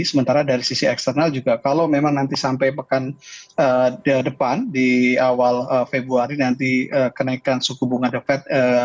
sementara dari sisi eksternal juga kalau memang nanti sampai pekan depan di awal februari nanti kenaikan suku bunga the fed